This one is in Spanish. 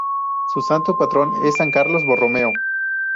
Su santo patrón es San Carlos Borromeo.